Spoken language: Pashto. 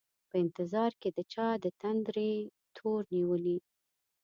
په انتظار کي د چا دتندري تور نیولي